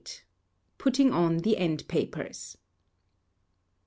PUTTING ON THE END PAPERS.